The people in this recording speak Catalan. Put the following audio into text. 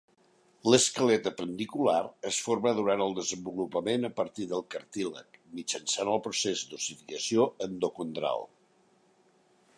L'esquelet apendicular es forma durant el desenvolupament a partir del cartílag, mitjançant el procés d'ossificació endocondral.